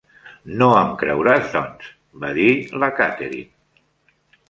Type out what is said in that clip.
"No em creuràs doncs?", va dir la Catherine.